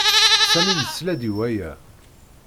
Sami yesla-d i waya.